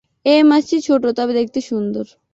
এই মাছটি ছোট তবে দেখতে সুন্দর।